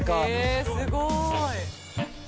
へえすごい！